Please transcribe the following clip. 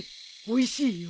おいしいよ。